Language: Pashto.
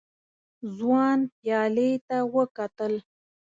ځوان پيالې ته وکتل.